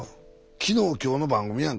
昨日今日の番組やんか